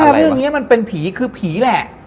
ถ้าเรื่องนี้มันเป็นผีคือผีแหละ